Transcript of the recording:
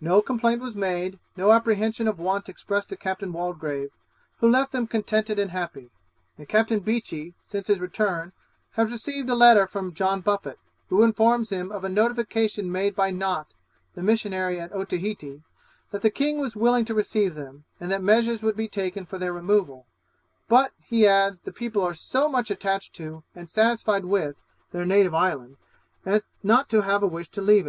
No complaint was made, no apprehension of want expressed to Captain Waldegrave, who left them contented and happy; and Captain Beechey, since his return, has received a letter from John Buffet, who informs him of a notification made by Nott the missionary at Otaheite, that the king was willing to receive them, and that measures would be taken for their removal; but, he adds, the people are so much attached to, and satisfied with, their native island, as not to have a wish to leave it.